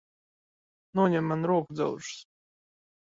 Noņem man rokudzelžus!